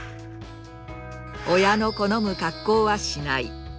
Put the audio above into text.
親の好む格好はしない。